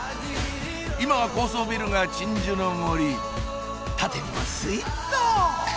今は高層ビルが鎮守の森縦にもスイっと！